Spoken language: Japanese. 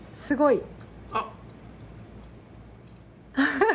すごい！